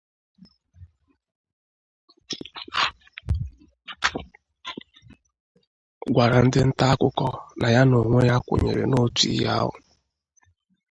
gwara ndị nta akụkọ na ya na onwe ya kwenyere n’otu ihe ahụ.